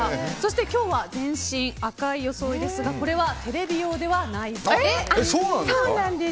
今日は全身赤い装いですがこれはテレビ用ではないそうです。